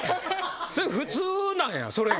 それ普通なんやそれが。